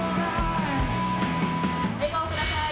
笑顔ください。